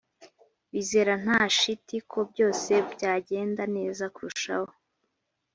bizera nta shiti ko byose byagenda neza kurushaho